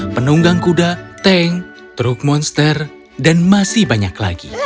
penunggang kuda tank truk monster dan masih banyak lagi